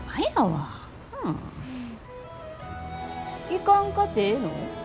行かんかてええの？